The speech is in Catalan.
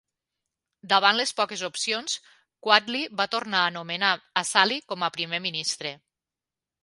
Davant les poques opcions, Quwatli va tornar a nomenar Asali com a primer ministre.